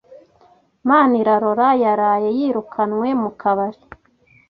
Manirarora yaraye yirukanwe mu kabari.